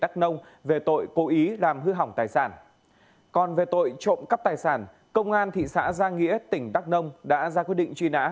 còn về tội trộm cắp tài sản công an thị xã gia nghĩa tỉnh đắk nông đã ra quyết định truy nã